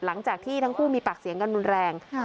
หลังจากที่ทั้งคู่มีปากเสียงกันรุนแรง